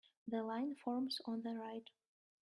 The line forms on the right.